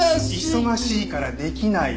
忙しいからできない。